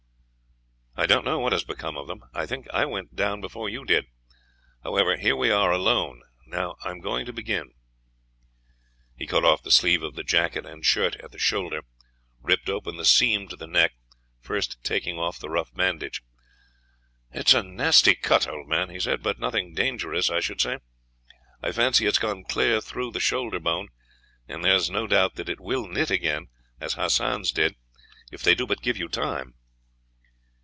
"I don't know what has become of them. I think I went down before you did. However, here we are alone. Now I am going to begin." He cut off the sleeve of the jacket and shirt at the shoulder, ripped open the seam to the neck, first taking off the rough bandage. "It's a nasty cut, old man," he said, "but nothing dangerous, I should say. I fancy it has gone clean through the shoulder bone, and there is no doubt that it will knit again, as Hassan's did, if they do but give you time."